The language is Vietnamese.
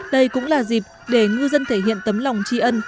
đây cũng là dịp để ngư dân thể hiện tấm lòng tri ân